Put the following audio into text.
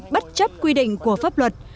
bất chấp quy định của pháp luật